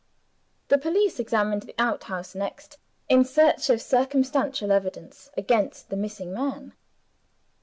The police examined the outhouse next, in search of circumstantial evidence against the missing man.